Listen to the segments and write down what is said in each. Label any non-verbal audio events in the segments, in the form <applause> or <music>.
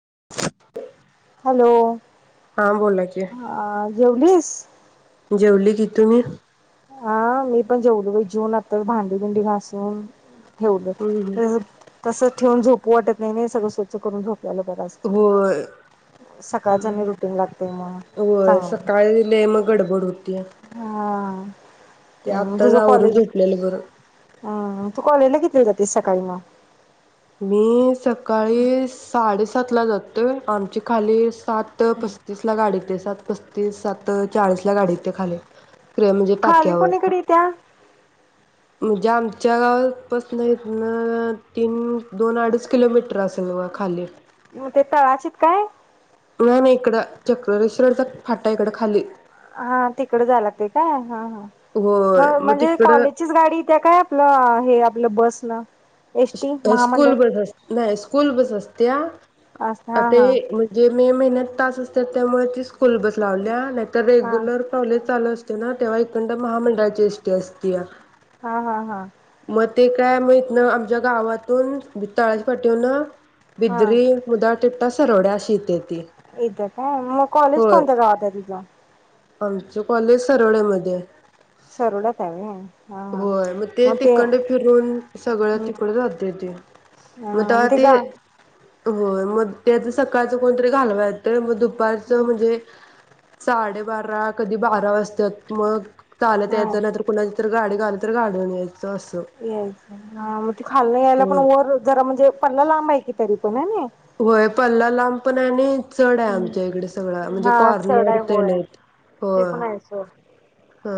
<inaudible> Hello हा बोला की हा जेवलीस? <inaudible> जेवली की तुम्ही? हा मी पण जेवलो जेऊन बाई आता भांडीबिंडी घासून ठेवलं हम्म हम्म. तस तसच ठेवून झोपू वाटत नाही ना सगळ स्वच्छ करुन झोपा् होय सकाळच आणि रुटीन लागतय मग होय चांगलं सकाळी लय मग गडबड होतीया हा - तुझ आत्ताच आवरून कॉलेज झोपलेलं बरं. हूं तू कॉलेजला घेतलंय का ते सकाळी ना <unintelligible> सकाळी साडे साातला जातोय आमची खालीस सात पस्तीसला गाडीे येती सात पस्तीस सात चाळीस ला गाडी येती खाली क्र म्हणजे खाली टाक्यावर कोणी कडे येतीया म्हणजे आमच्या गावपासन ‌एक इथन तीन दोन अडीच किलोमीटर असेल बघा खाली म ते तळाशीत काय? नाही नाही इकडं चक् <unintelligible> फाटा इकडं खाली हा तिकडे जायला लागतय काय हां हां होय हं मग म्हणजे तिकडं कॉलेजचीच गाडी येतीया काय आपलं अ हे म्हणलं बसला स्कूल बस अस् नाय स्कू् स्कूल बस असतीया असं त हा ते हा म्हणजे मे महिन्यात तास असत्यात त्यामुळे ती स्कूल बस लावलीया नाय तर हा रेग्युलर कॉलेज चालू अस् ते ना तेव्हा इकडण महामंडळाची एसटी असतीया हा हा हा मग ते काय म् इथनं आमच्या गावातून तळाशी पाटीवन हा बिद्री मुदाळ तिट्टा सरवडा अशी येती येतीया काय म्हनंला कॉलेज कोणत्या गावात आहे तुझा आमचे कॉलेज सरवड्यामध्ये आहे. सरवड्यात हाय व्हय. हा हा होय म ते तिकंड फिरून सगळं तिकड जातय ते म मग तवा ते गा होय म त्याज सकाळचं कोणतरी घालवाय येतं मग दुप पारचं म्हणजे साडेबारा कधी बारा वाजत्यात मग चालतं हा यायचं नाहींतर कुणाच्या गाडी गावली तर गाडीवरून यायचं यायचं हां म खालन यायला पण होय. वर जरा म्हणजे पल्ला लांबा आहे कि तरी होय नाही? होय पल्ला लांब पण आणि चड आहे आमच्या हम्म इकडे सगळा म्हणजे हा चढ कॉर्नर आहे तेन होय आहेत ते होय. पण आहे सोड हा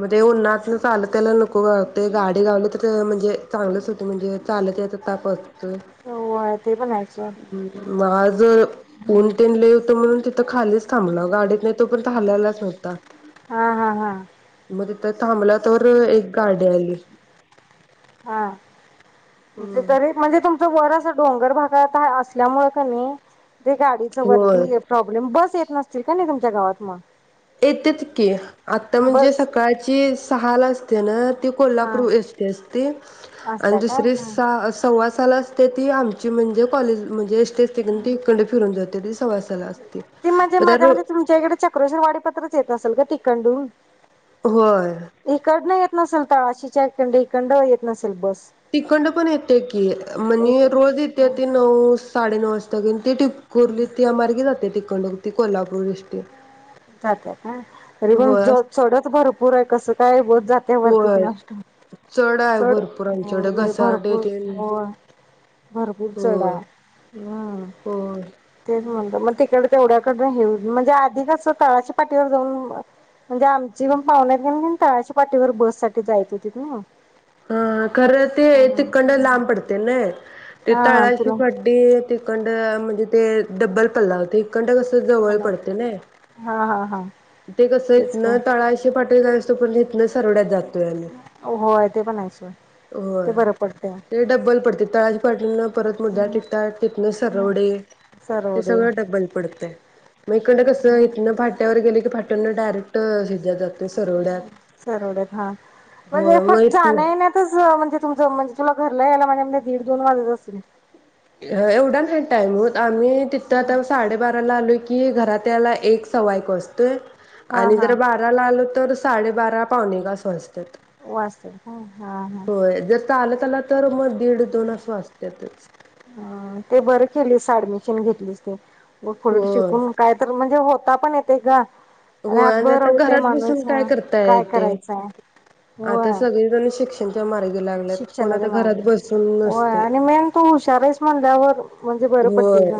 म ते उन्हातन चालत यायला नोक वाटतंय गाडी गावली तर म्हणजे चांगलच होते म्हणजे चालत याचा ताप वाच वाचतोय होय ते पण आहे सोड मग आज जर उन्ह तेन लय होत म्हणून ती खालीच थांबलाव गाडीत नाही तो पण हालायलाच नव्हता. हा हा हा तिथ थांबला तर एक गाडी आली हा तरी म्हणजे तुम वरा अस डोंगर भागात असल्यामुळे कणी ते गाडीच होय. वरती प्रॉब्लेम बस येत नसतील कणी तुम च्या गावात म येतेच की आता म्हणजे बस सकाळची सहा ला तेन हा कोल्हापूर एस टी असते आणि असत्या काय दुसरी हा स सव्वा साला ती आमची म्हणजे कॉलेज म्हणजे एस टीअसते कणी ती फिरून जाते ती सव्वा साला असते मग त्या रो पतरच येत असेल ग तिकडण हून. होय. इकड नाही येत नसल तलाशीच्या हिकडं इकडण येत नसेल बस तिखंड पण येते की म्हणजे येते रोज येते ते नऊ साडे नऊ वाजता कण ते ठीकपुर्ली त्या मार्गे जाते ती तिकडं होती कोल्हापूर एस टी. जात्यात ह तरी पन होय चढत भरपूर आहे कसं काय बस जात्या वरती होय. कुणास ठावूक आहे चढ भरपूर आहे हो चढ नाही घसारटे भरपूर तेन हो भरपूर चढा होय हम् होय तेच म्हणल मग तिकड तेवढ्याकडऊन म्हणजे आधी कस तळाश पाठीवर जाऊन म्हणजे आमची पण पाहुणार गे तळाश पाठीवर बस साठी जायच होती ना हा खरं ते तिकडं लांब पडते ना ते हा हा तळाशी तुला फड्डी तिकडं म्हणजे ते डबल पल्ला होते इकडंन कसं तर जवळ हॅलो पडते नाय? हा हा हा. ते कसं तेच हितन की तळाशी <unintelligible> सरवड्यात जात. होय ते पण हाइच सोड ते बरं पडतयं. ताज पटल परत मुदाळतिट्टा तितन सरवडे ते सरवडे सगळं डब्बल पडतयं. इकडं कसं इतन फाट्यावर गेल फाट्यावरनं डारेक्ट हेज्यात जातयं. सरवड्यात हा हो म्हणजे फक्त माहित जाण नाही येण्यातच म्हणजे तुमच म्हणजे तुला घरला यायला माझ्या मते दीड- दोन वाजत असतील. एवढा नाही टाईम होत. आम्ही तिथं <unintelligible> साडे बारा आलो की घरात त्याला एक सव्वा एक वाजतोय. हा आणि हा जर बाराला आलो तर साडेबारा पावुणे एक असं वाजत्यात. वाजत्यात काय. हं ह. होय जर चालत आल तर मग दीड दोन अस वाचत्यातचं. अ ते बरं केलीस ऍडमिशन घेतलीस ते पुढं होय शिकून काय तर म्हणजे होता पण येत. ते गा हो आणि आता घरात बसून काय करता काय येतयं. करायचंय होय. आता सगळीजण शिक्षण शिक्षणाच्या मागे होय नसतंय. आणि मेन तू हुशार हाईस म्हणल्यावर म्हणजे बरं होय पडतयग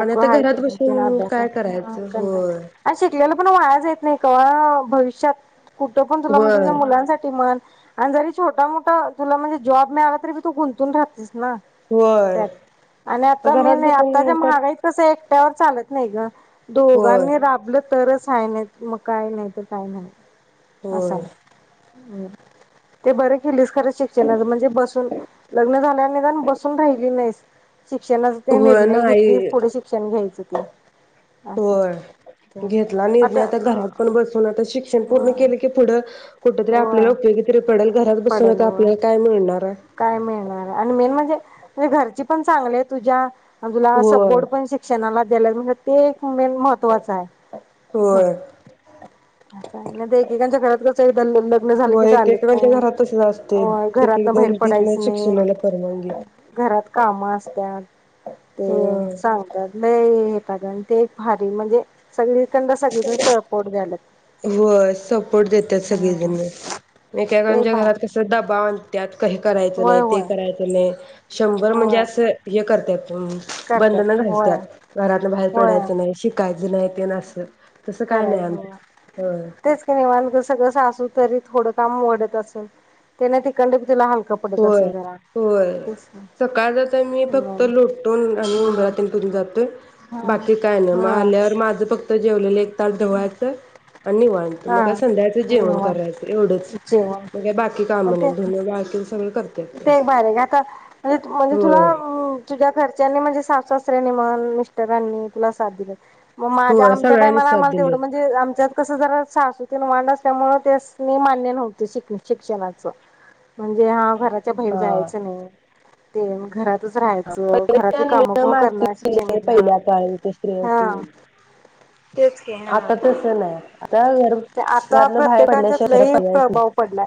आणि आता हाय घरात <unintelligible> बसून अभ्यास काय करायचं होय. आणि शिकलेलं पण वाया जात नाही. कवा भविष्यात कुठं पण तुला म्हणजे होय मुलांसाठी म्हण. आणि जरी छोटा मोठा तुला म्हणजे जॉब मिळाला तरी तू गुंतून राहतीस. ना होय त्यात आणि तर आता घरात मेन बसून आताच्या मिळतात. महागाई कसं हाय एकट्यावर चालत नाही गं होय दोघांनी राबलं तरचं. काय नाहीत मग काही नाहीतर काही नाही. होय. हम्म ते बरं क ॆलीस खर शिक्षणाच म्हणजे बसून लग्न झाल्या निदान बसून राहिली नाहीस. शिक्षणाचा ते होय निर्णय नाही घेतलीस पुढे शिक्षण घ्यायच <inaudible> होय घेतला निर्णय आता घरात पण बसून आता शिक्षण पूर्ण केलं की पुढं कुठ तरी आपल्याला होय उपयोगी तरी पडल घरात बसून पडेल आता होय. आपल्याला काय मिळणार आहे. काय मिळणार आणि मेन म्हण हे घरची पण चांगली आहे तुझ्या हा तुला अस होय बोर्ड पण शिक्षणाला द्यालात <unintelligible> ते एक मेन महत्वाचं हाय होय हम त्याच नायतर एकेकांच्या घरात <unintelligible> झालं की होय चालत एकेकांच्या नाही. घरात तसच असतय एकेकजण दि अस नायये घरात काम अस त्या ते होय. सांगत्यात लय येतात आणि ते एक भारी म्हणजे सगळी <unintelligible> पोट द्यायल्यात होय सपोर्ट देत्यात हा. सगळेजण ते एकेकांच्या भा घरात कस डबा आणत्यात करायच होय नाय ते होय करायचं नाय शंभर म्हणजे होय असं हे करत्याय हं बंधन करत्यात होय घालत्यात घरातन बाहेर होय पडायचं नाही शिकायचं नाही. तेन असं तसं काय नाय आम करायचं. तेच की निवांत ग सगळं सासू कर ते थोडं काम वाढत असल तेन तिकंडना तुला होय होय सकाळ जातान मी फक्त हं लोटून आणि हा उंबरातेन पुजुन जातय हा बाकी काय नाय म हा. आल्यावर माझं फक्त जे <unintelligible> <unintelligible> हात धुवायच आणि निवांत मग का हा संध्याकाळचं जेवण निवांत करायचं एवढंच जेवण म काय बाकी काम मग नाय तेच धुणं भांडी ते एक भारी आता उलट म्हणजे होय तुला तुझ्या घर त्यांनी म्हणजे सासु -सासऱ्यांनी म्हण, मिस्टरांनी तुला साथ दिल्यात. मग माझ्या होय आमच्या सगळ्यांनी टाइमाला साथ आम्हाला दिली तेवढं म्हणजे आमच्यात कसं जरा सासू वांड असल्यामुळे त्यास्नी मान्य नव्हतं शिक शिक्षणाचं म्हणजे हा घराच्या भाईर जायाचं नाही ते मग घरात हा पहिले त्या निमित्त मार्केट शिक्षण मधी घेणार पहिल्या काळी हा. तेच की हा. आता तसं नाय आता घर आता घरातनं बाहेर प्रत्येकाच्यांत पडल्याशिवाय दुसरा लई पर्यायच नाही प्रभाव पडलाय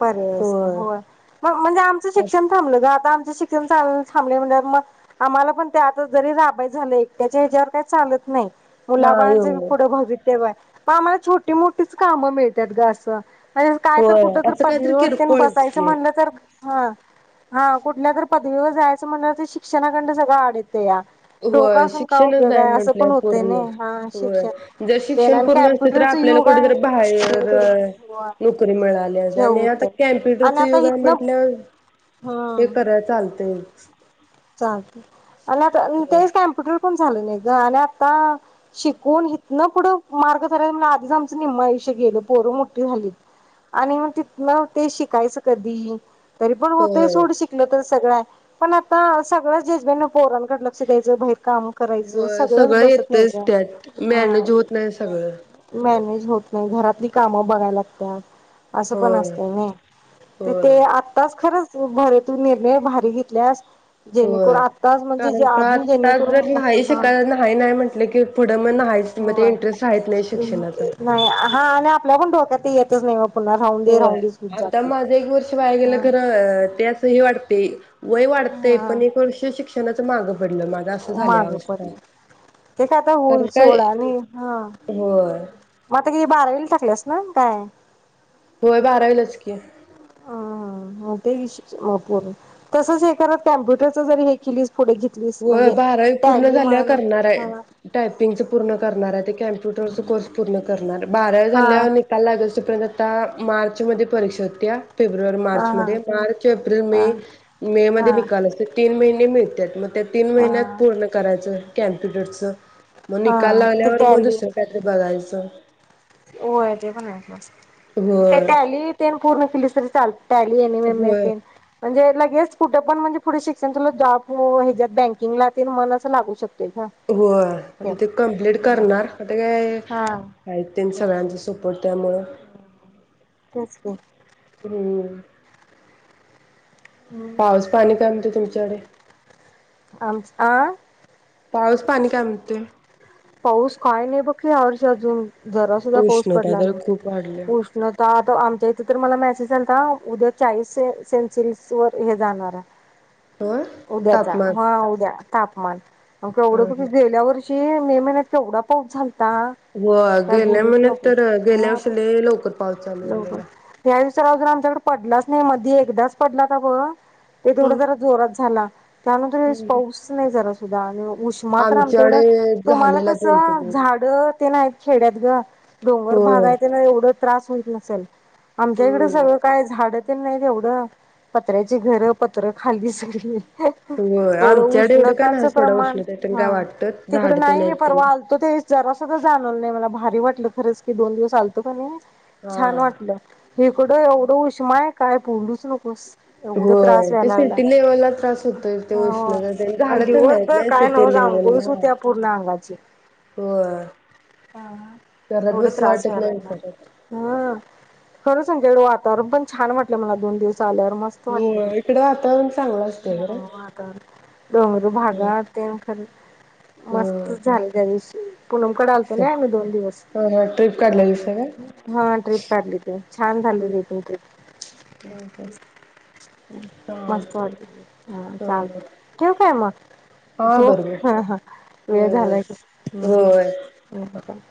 बराच होय हो मग म्हणजे आमचं शिक्षण थांबलं ग आता आम् शिक्षण थांब थांबल्यावर मग आम्हांला पण ते आता जरी राबाय झालं एकट्याच्या ह्याच्यावर काही चालत नाही. नाही मुलाबाळांच बी हो पुढे भवि तव्य हाय. पण आम्हांला छोटी मोठीच कामं मिळतात ग असं काय तर होय कुठं तर असं काहीतरी पदवीवर तेन किरकोळच बसायचं की म्हणलं तर हां हां कुठल्या तरी पदवीवर जायचं म्हणलं तर शिक्षणाकडनं सगळं आडतं. डोकं होय असून का शिक्षणच उपयोग हाय नाही असं पण म्हंटलं होतंय पूर्ण नाई हा होय शिक्षण जर तेन शिक्षण तर कॅम्प्युटरचं आपल्याला युग आहे. कुठेतरी बाहेर होय. नोकरी मिळाल्या असत्या आणि आता ठेवते आणि कॅमप्युटरचं आता युग हाय इथन म्हटल्यावर हे हम्म कराय चालतंय. <inaudible> चाल आणि आता तेच कम्प्युटर पण झालं नाही ग आणि आता शिकून हिथन पुढं मार्ग करायचं म्हणलं तर आधीच आमचं निम्म आयुष्य गेलं पोरं मोठी झाली आणि मग तिथन ते शिकायचं कधी तरी पण होतंय होय सोड शिकलं तर सगळं हाय. पण आत ता सगळ्या जेजबिनं पोरांकडं लक्ष द्यायचं बाहिर काम करायचं होय, सगळं बसत नाही येतच ग त्यात मॅनेज होत नाही सगळं हम्म मॅनेज होत नाही घरातली काम बघाय लागत्यात. असं पण होय असतंय ना तर होय ते आत्ताच खरं तू भारी तु निर्णय भारी घेतल्यास जेणेकरून होय आत्ताच म्हणजे जे कारण का अजून आता जर जेणेकरून नाही हा शिकायला नाही नाही म्हटलं की पुढं मग नाहीच मग ते होय इंटरेस्ट राहीत नाही शिक्षणाचा <unintelligible> तेयतच नाही मग पुन्हा राहून दे होय राहून देच होत आता जाते माझ एक वर्ष वाया हा गेलं खरं ते अस हे वाटतय वय वाढतंय हा पण एक वर्ष शिक्षणाच माग पडलं माझा असं झाल्या माग अवस्था, पडले ते काय आता कारण होईल काय सोड आणि हा होय मग आता ग बारावीला टाकलेस ना, काय? होय बारावीलाच की ह ह ते विशेश तसच हे करत कॅम्प्युटरच जरी हे केलीस पुढे घेतलीस होय म्हणजे बारावी पूर्ण टॅली झाल्या म्हण करणार हा टायपिंगच पूर्ण करणार ते कम्पूटरचा कोर्स पूर्ण करणार बारावी हा झाल्यावर निकाल लागोस आपंण आता मार्चमध्ये परीक्षा होतिया फेब्रुवारी मार्च हा हा मध्ये मार्च एप्रिल मे हा मे मध्ये हा निकाल असते तीन महिने मिळते त्यात मग त्यात तीन हा महिन्यात पूर्ण करायचंय कॅम्प्यूटरच मग हा निकाल ते लागल्यावर मग टॅली दुसर काहीतरी बघायच? <inaudible> होय ते पण आहे ते होय टॅली ते पूर्ण केलीस? तरी चाल टॅली आणि होय मेसेज म्हणजे लगेच? कुठं पण म्हणजे पुढ शिकक्षण जॉब हयाच्यात बँकिंगला ते मग असं लागू शकतो होय ते कम्प्लीट करणार आता काय? हा तीन सगळ्यांच सोप त्यामुं तेच की हम् पाऊस पाणी काय म्हणत्यात? तुमच्या कडे आमच आ पाऊस पाणी काय म्हणतोय पाऊस काय नाही बघ या वर्षी अजून जरा सुद्धा पाऊस उष्णता पडला तर नाही खूप वाढल्या उष्णता आमच्या इथे तर मला मॅसेज आलता उद्या चाळीससे सेन्सिल्स वर हे जाणार हो आहे उद्याचा तापमान हा उद्या तापमान अन् केवड ह ह गेल्यावर्षी <inaudible> मे महिन्यात केवढा पाऊस झाला होय गेल्या महिन्यात तर गेल्या हा वर्षी लय लवकर पाऊस चालू झालेला तर अजून आमच्याकड पडलाच नाही मधी एकदाच पडला त बघ ते हो तेवढा थोडा जरा जोरात झाला त्यानंतर हे पाऊसच नाही जरा <unintelligible> उष्मा तर आमच्याइड आमच्याकडे तुमाला झालेला दोन तीन कसं दिवस झाड तेन आयेत खे ड्यात ग डोंगर होय भागाय त्येन एवढं त्रास हुईत नसल. आमच्या इकडं हम्म सगळं काय झाड तेन नाही ग ऐवढं पत्र्याची घरं पत्र खाली सगळी होय एवढं आमच्याकड एवढं काय उष्णताचं सोडा उष्णता तेन काय वाटत गा कड नाई मी परवा आलतो त्यावेळेस जरा सुद्धा जाणवलं नाही मला भा री वाटलं खरच की दोन दिवस आलतो कणी हा छान वाटलं. हिकडं एवढं उष्माय काय बोलूच नकोस. एवढं त्रास होय ते व्हायला लागलाय. सिटी लेव्हलला त्रास हुतोयचं ते हो उष्णता तेन झाडं तेन नाहीत नई सिटी लेव्हलला त्या पूर्ण अंगाची होय अ हा घरात एवढ बसू त्रास वाटत व्हाय नाही करत लागलाय ह खरं आमच्याइकड वातावरण पण छान वाटलं मला दोन दिवस चाल्यावर मस्त वाटल गं, हो इकडं वातावरण चांगलं असतंय खरं हा वातावरण डोंगर हम्म भागात खर हम्म. मस्तच झालं त्या दिवशी, पुनमकड आलतो नई आमी दोन दिवस, हा हा ट्रिप अ काढला दिसा काय हा ट्रिप काढलेली छान झाली ती पण ट्रिप ह ह उ मस्त चालतंय वाटल, हा चाल ठिऊ काय मग हा झोप बरोबर ह ह वेळ होय होय झालाय खुप हम्म होय हम् <unintelligible>